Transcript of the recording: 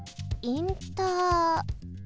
インター